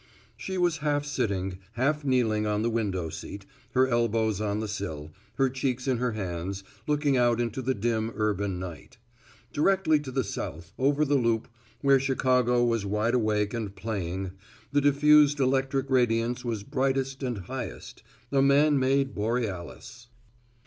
She was half sitting, half kneeling on the window seat, her elbows on the sill, her cheeks in her hands, looking out into the dim urban night. Directly to the south, over the loop, where Chicago was wide awake and playing, the diffused electric radiance was brightest and highest a man made borealis.